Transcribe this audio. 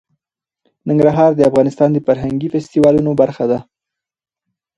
ننګرهار د افغانستان د فرهنګي فستیوالونو برخه ده.